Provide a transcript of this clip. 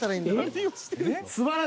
何をしてるの？